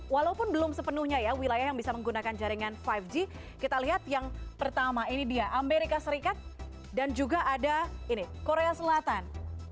walaupun belum sepenuhnya ya wilayah yang bisa menggunakan jaringan lima g kita lihat yang pertama ini dia amerika serikat dan juga ada ini korea selatan